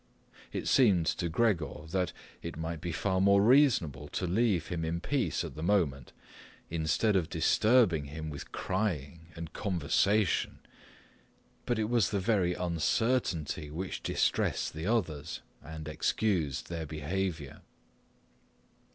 It seemed to Gregor that it might be far more reasonable to leave him in peace at the moment, instead of disturbing him with crying and conversation. But it was the very uncertainty which distressed the others and excused their behaviour.